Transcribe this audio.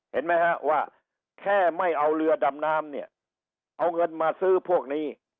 เห็นไหมฮะว่าแค่ไม่เอาเรือดำน้ำเนี่ยเอาเงินมาซื้อพวกนี้